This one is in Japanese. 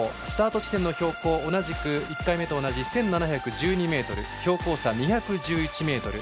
スタート地点の標高１回目と同じ１７１２ｍ、標高差２１１ｍ。